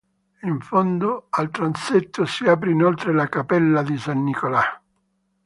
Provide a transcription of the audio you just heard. In fondo al transetto si apre inoltre la Cappella di San Nicola.